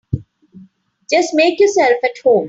Just make yourselves at home.